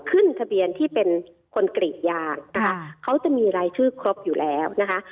ขึ้นทะเบียนที่เป็นคนกรีดยางนะคะเขาจะมีรายชื่อครบอยู่แล้วนะคะ